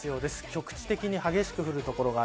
局地的に激しく降る所が